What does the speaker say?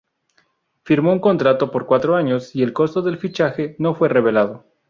Firmó un contrato por cuatro años y el costo del fichaje no fue revelado.